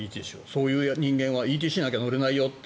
そういう人間はＥＴＣがなければ乗れないよって。